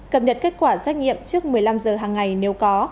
cập nhật kết quả xét nghiệm trước một mươi năm giờ hàng ngày nếu có